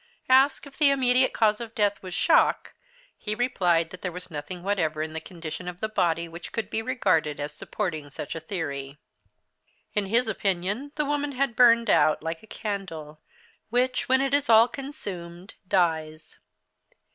Asked if the immediate cause of death was shock, he replied that there was nothing whatever in the condition of the body which could be regarded as supporting such a theory. In his opinion, the woman had burned out, like a candle, which, when it is all consumed, dies.